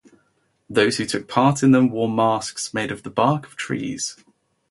Those who took part in them wore masks made of the bark of trees.